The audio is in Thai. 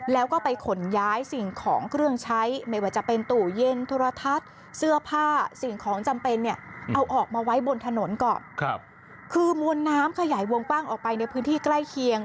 แล้วก็ไปขนย้ายสิ่งของเครื่องใช้